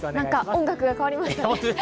音楽が変わりましたね。